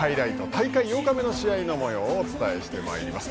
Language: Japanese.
大会８日目の試合のもようをお伝えします。